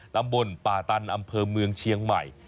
ตำบลป่าตันอำเภอเมืองเชียงใหม่